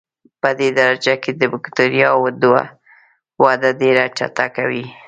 پدې درجه کې د بکټریاوو وده ډېره چټکه وي.